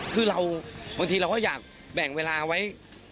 คือเราบางทีเราก็อยากแบ่งเวลาไว้